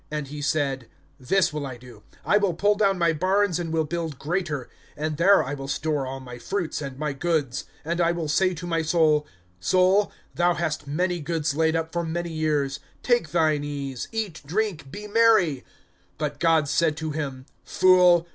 (18)And he said: This will I do; I will pull down my barns, and will build greater; and there I will store all my fruits and my goods. (19)And I will say to my soul: Soul, thou hast many goods laid up for many years; take thine ease, eat, drink, be merry. (20)But God said to him: Fool!